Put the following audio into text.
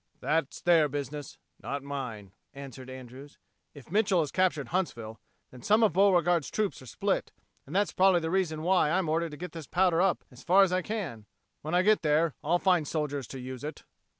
"That's their business, not mine," answered Andrews. "If Mitchel has captured Huntsville, then some of Beauregard's troops are split, and that's probably the reason why I'm ordered to get this powder up as far as I can. When I get there I'll find soldiers to use it."